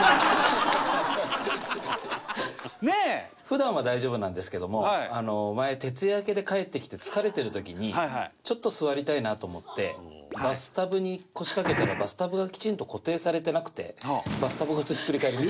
普段は大丈夫なんですけども前徹夜明けで帰ってきて疲れてる時にちょっと座りたいなと思ってバスタブに腰掛けたらバスタブがきちんと固定されてなくて。